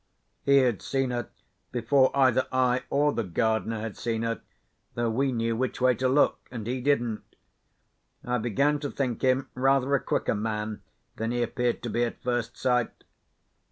He had seen her before either I or the gardener had seen her, though we knew which way to look, and he didn't. I began to think him rather a quicker man than he appeared to be at first sight.